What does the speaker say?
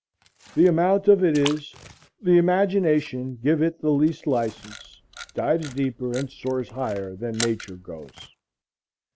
The amount of it is, the imagination give it the least license, dives deeper and soars higher than Nature goes.